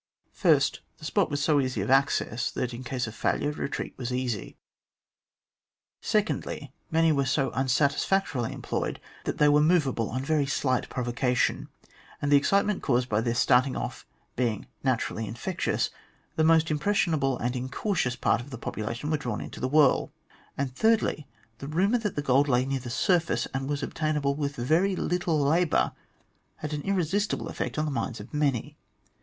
First, the spot was so easy of access that, in case of failure, retreat was easy ; secondly, many were so unsatisfactorily employed, that they were movable on very slight provocation, and the ex citement caused by their starting off being naturally in fectious, the most impressionable and incautious part of the population were drawn into the whirl ; and thirdly, the rumour that the gold lay near the surface, and was obtainable with very little labour, had an irresistible effect on the minds of many.